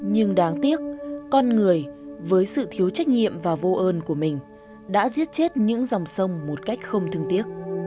nhưng đáng tiếc con người với sự thiếu trách nhiệm và vô ơn của mình đã giết chết những dòng sông một cách không thương tiếc